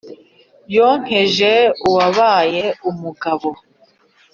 yonkeje uwabaye umugabo